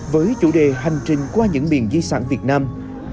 với chủ đề hành trình qua những miền di sản việt nam